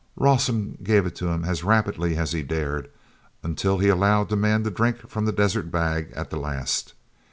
Rawson gave it to him as rapidly as he dared, until he allowed the man to drink from the desert bag at the last.